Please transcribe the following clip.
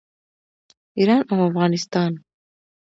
ایران او افغانستان.